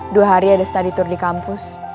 dua hari ada study tour di kampus